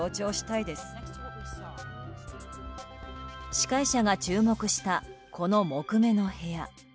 司会者が注目したこの木目の部屋。